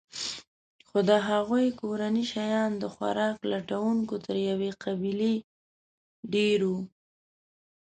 خو د هغوی کورنۍ شیان د خوراک لټونکو تر یوې قبیلې ډېر وو.